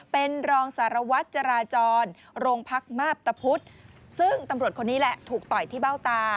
เป็นรองสารวัตรจราจรโรงพักมาพตะพุทธ